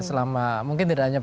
selama mungkin tidak hanya